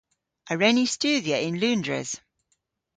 A wren ni studhya yn Loundres?